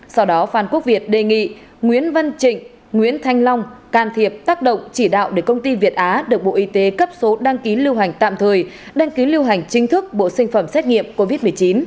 sau đó phan quốc việt đề nghị nguyễn văn trịnh nguyễn thanh long can thiệp tác động chỉ đạo để công ty việt á được bộ y tế cấp số đăng ký lưu hành tạm thời đăng ký lưu hành chính thức bộ sinh phẩm xét nghiệm covid một mươi chín